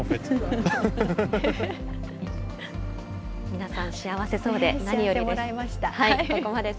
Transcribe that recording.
皆さん、幸せそうでなによりです。